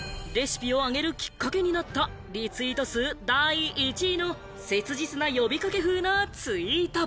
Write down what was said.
レシピを上げるきっかけになったリツイート数第１位の切実な呼び掛け風のツイート。